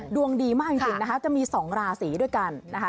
ดวงดีมากจริงจะมี๒ราศีด้วยกัน